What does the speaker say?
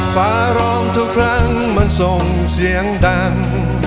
ฟ้าร้องทุกครั้งมันส่งเสียงดัง